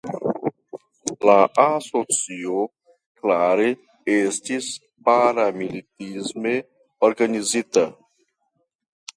La asocio klare estis paramilitisme organizita.